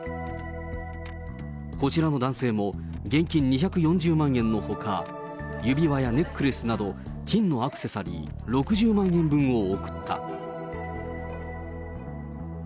こちらの男性も、現金２４０万円のほか、指輪やネックレスなど金のアクセサリー６０万円分を贈った。